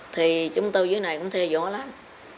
thì chúng tôi dưới này cũng theo dõi lắm